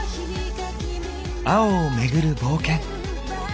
青をめぐる冒険。